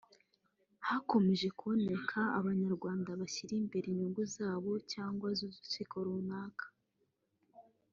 hakomeje kuboneka Abanyarwanda bashyira imbere inyungu zabo cyangwa z’udutsiko runaka